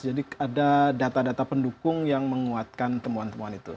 jadi ada data data pendukung yang menguatkan temuan temuan itu